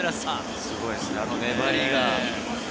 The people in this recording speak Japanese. すごいですね、あの粘りが。